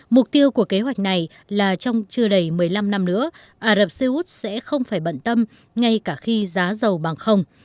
mục tiêu của kế hoạch này là trong chưa đầy một mươi năm năm nữa ả rập xê út sẽ không phải bận tâm ngay cả khi giá dầu bằng không